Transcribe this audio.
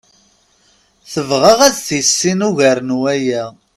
Tebɣa ad t-tissin ugar n waya.